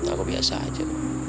aku biasa aja